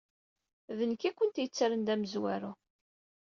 D nekk ay k-yettren d amezwaru.